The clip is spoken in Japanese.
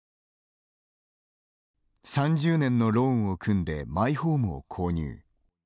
３０年のローンを組んでマイホームを購入。